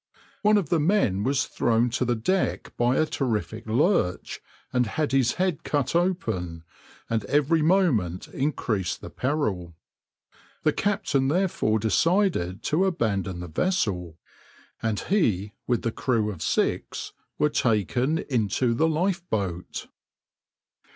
One of the men was thrown to the deck by a terrific lurch, and had his head cut open, and every moment increased the peril. The captain therefore decided to abandon the vessel, and he, with the crew of six, were taken into the lifeboat.